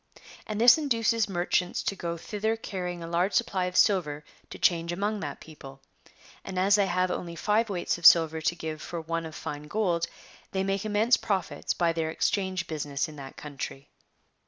And this induces merchants to go thither carrying a large supply of silver to change among that people. And as they have only five weights of silver to give for one of fine gold, they make immense profits by their exchange business in that country."